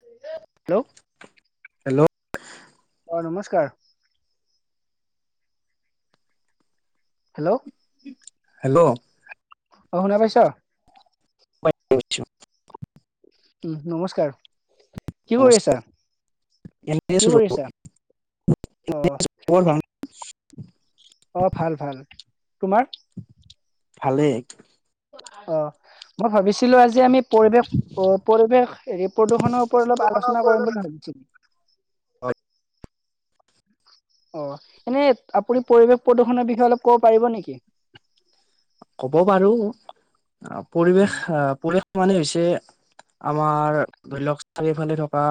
Hello hello. আহ নমস্কাৰ। Hello. Hello. অ শুনা পাইছ? প [inaudible] উম, নমস্কাৰ। কি কৰিছা, এনে কি আছো ৰব, কৰিছা? খবৰ আহ। [inaudible] অ ভাল ভাল, তোমাৰ? ভালে। অ, মই ভাবিছিলো আজি আমি পৰিৱেশ, পৰিৱেশ হেৰি প্ৰদূষণৰ ওপৰত অলপ আলোচনা কৰিম বুলি ভাবিছিল। হয় অ এনেই আপুনি পৰিৱেশ প্ৰদূষনৰ বিষয়ে অলপ ক'ব পাৰিব নেকি? কব পাৰো অ উম পৰিৱেশ, অ পৰিৱেশ মানে হৈছে আমাৰ ধৰি লওক চাৰিওফালে থকা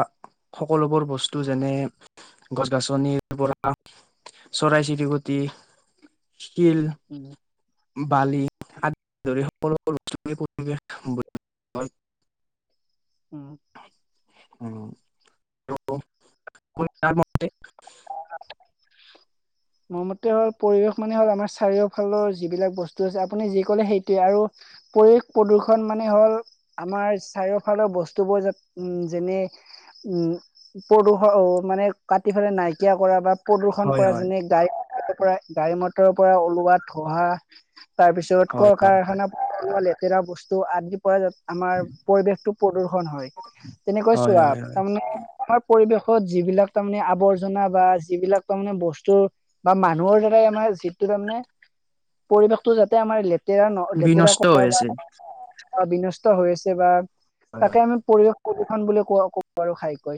সকলোবোৰ বস্তু যেনে গছ গছনিৰ পৰা চৰাই- চিৰিকুটি শীল উম বালি আদি ধৰি সকল চ [inaudible] পৰিৱেশ, উম। উম [inaudible] মোৰ মতে হল পৰিৱেশ মানে হল আমাৰ চাৰিওফালৰ যিবিলাক বস্তু আছে আপুনি যি কলে সেইটোৱে আৰু পৰিৱেশ প্ৰদূষন মানে হল আমাৰ চাৰিওফালৰ বস্তুবোৰ উম, যেনে উম প্ৰদূষণ মানে কাটি পেলাই নাই তিয়া কৰা বা প্ৰদূষণ হয় কৰা হয় যেনে গায় ত পৰা, গাড়ী মটৰৰ পৰা ওলোৱা ধোৱা তাৰপিছত ক হয় হয় কাৰখানা বস্তু আদি আমাৰ পৰিৱেশটো প্ৰদূষন হয়, তেনেকৈ হয় চোৱা হয় হয় তাৰমানে আমাৰ পৰিৱেশ ত যিবিলাক তাৰমানে আৱৰ জনা বা যিবিলাক তাৰামানে বস্তু বা মানুহৰ দ্বাৰাই আমাৰ যিটো তাৰমানে, পৰিৱেশটো যাতে আমাৰ লেতে লেতেৰা ন লেতেৰা বিনষ্ট হৈ কৰা বা আছে অ বিনষ্ট হৈ আছে বা হয় হয় তাকে আমি পৰিৱেশ [inaudible] বুলি কব পাৰো খাই কৈ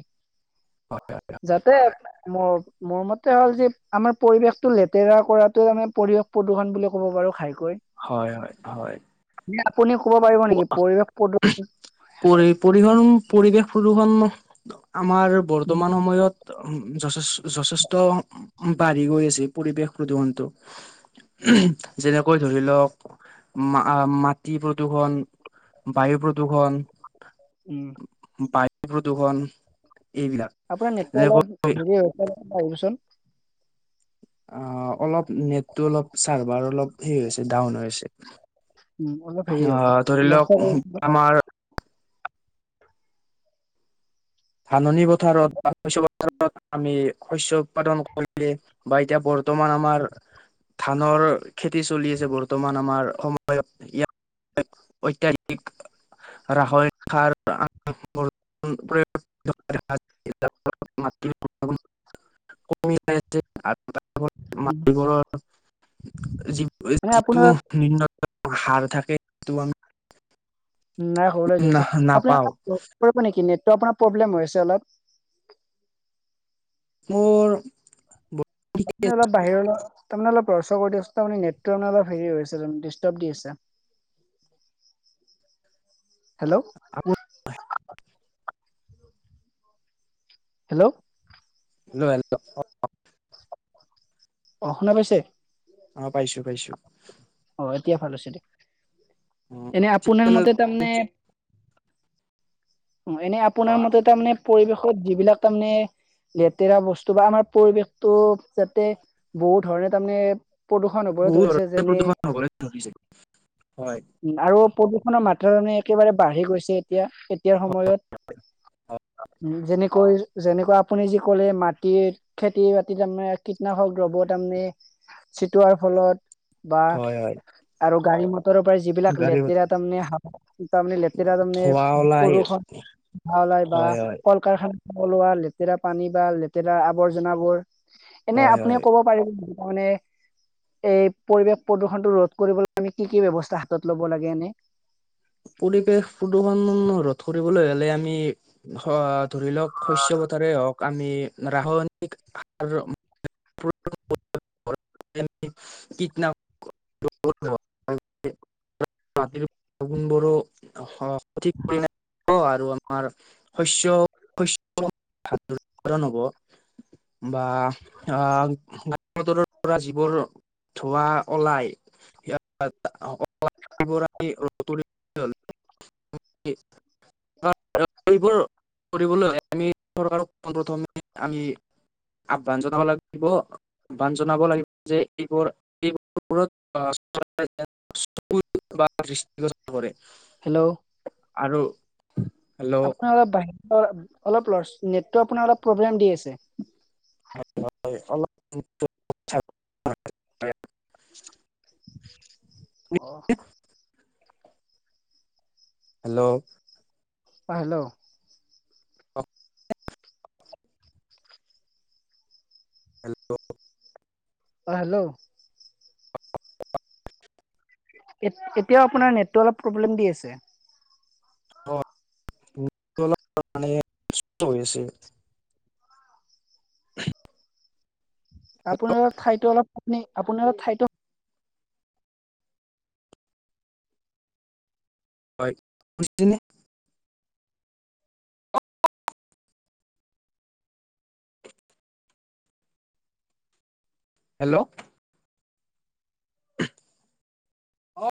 হয় যাতে। মোৰ মোৰ মতে হ'ল যে আমাৰ পৰিৱেশতটো লেতেৰা কৰাত আমি পৰিৱেশ প্ৰদূষণ বুলি ক'ব পাৰো খাই। হয় হয় হয়। আপুনি ক'ব পাৰিব নেকি পৰিৱেশ পৰি পৰিহন প্ৰদূষণ? পৰিৱেশ প্ৰদূষণ। আমাৰ বৰ্তমান সময়ত যথেষ্ট। বাঢ়ি গৈ আছে পৰিৱেশ প্ৰদূষণটো। যেনে, কৈ ধৰিলওক মা মাটি প্ৰদূষণ। প্ৰদূষণ বায়ু প্ৰদূষণ উম বা। প্ৰদূষণ। এইবিলাক আপোনাৰ নেটটো অলপ যেনেকৈ হেৰি হৈছে। আহিবচোন? অঁ, অলপ। নেটটো অলপ চাৰ্ভাৰ অলপ হেৰি হৈছে ডাউন হৈ আছে উম অলপ হেৰি হৈছে হ'ব অহ ধৰি নষ্ট লওক কৰি আমাৰ। ধাননি পথাৰত। আমি শস্য উৎপাদন কৰিলে বা এতিয়া ব। বৰ্তমান আমাৰ। ধানৰ, খেতি চলি আছে বৰ্তমান আমাৰ। সময়ত ইয়াত অত্যাধিক ৰাসায়নিক সাৰ প্ৰয়োগ। ম [inaudible] মাটৰ মানে যিটো আপোনাৰ নিন [inaudible] সাৰ থাকে সেইটো আমি। নাই সৰুলৈ ধৰি না হৈছে আপুনি নাপাওঁ এটা কাম কৰিব নেকি নেট। টো আপোনাৰ প্ৰব্লেম হৈছে আছে অলপ। মোৰ। আপুনি অলপ বাহিৰলৈ। তাৰমানে অলপ লৰ চৰ কৰি দিয়া তাৰ মানে নেটটো অলপ হেৰি হৈ আছে ডিষ্টাৰ্ব দি আছে। হেল্ল'? হেল্ল? লৈয়েল। [inaudible] অ, শুনা পাইছে? অঁ পাইছো পাইছো। অঁ, এতিয়া ভাল হৈছে দে। অ এনে ঠিক আপোনাৰ মতে তেনেদৰে তা মানে। অ এনে অ আপোনাৰ মতে তাৰ মানে পৰিৱেশ । যিবিলাক তাৰমানে লেতেৰা বস্তু বা আমাৰ পৰিৱেশতটো যাতে বহু ধৰণে তামানে। প্ৰদূষণ হ'বলৈ বহুত ধৰিছে ধৰণে যেনে প্ৰদূষণ হবলৈ ধৰিছে হয় উম আৰু। প্ৰদূষণৰ মাত্ৰ ৰণে একেবাৰে বাঢ়ি গৈছে এতিয়া। তিয়াৰ হয় সময়ত যেনে। কৈ যেনেকৈ আপুনি যি কলে মাটিৰ খেতি বাতি তাৰমানে কীটনাশক দ্ৰব্য তাৰমানে ছিটোৱাৰ ফলত। বা হয় হয় আৰু। গাড়ী মত- ৰৰ পৰা যিবিলাক গাড়ী লেতেৰা তা তামানে লেতেৰা তামানে। ধোৱা ওলাই বৰষুণ ভাল বা হয় হয় কল কাৰখানা হলোৱা লেতেৰা পানী বা লেতেৰা আৱৰ্জনাবোৰ। এনে হয় আপুনি হয় কব পাৰিব নেকি? অ মানে এই পৰিৱেশ প্ৰদূষণতটো ৰোধ কৰিবলৈ আমি কি কি ব্যৱস্থা হাতত ল'ব লাগে এনে। পৰিৱেশ প্ৰদূষণ ৰোধ কৰিবলৈ হ'লে আমি হ। ধৰি লওক শস্য পথাৰে হওক। আমি [unintelligible] গুণবোৰো সঠিক পৰিমাণে হ'ব আৰু আমাৰ উৎপাদন ভাল দৰে হ'ব। বা অ। [unintelligible] পৰা জিবোৰ ধোৱা অলাই [unintelligible] [unintelligible] এইবোৰ কৰিবলৈ চৰকাৰক [unintelligible] আহ্বান জনাব লাগিব যে এইবোৰ। [unintelligible] [unintelligible] কৰে। হেল্ল'। আৰু। হেল্ল' আপোন অলপ বাহি। অ অলপ ললচ নেটতো আপোনাৰ অপ প্ৰব্লেম দি আছে। [unintelligible] অহ। হেল্ল'। অ হেল্ল। হেল্ল অ হেল্ল। এ এতিয়া আপোনাৰ নেটতো অলপ প্ৰব্লেম দি আছে। অ আছে [unintelligible] আপোনাৰ অপ ঠাইতো অলপ নে আপোনাৰ ঠাইতো হয়। শুনিছেনে? হেল্ল' অ